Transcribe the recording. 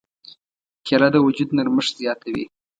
کېله د وجود نرمښت زیاتوي.